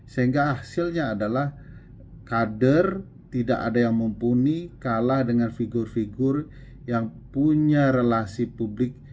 sehingga hasilnya adalah kader tidak ada yang mumpuni kalah dengan figur figur yang punya relasi publik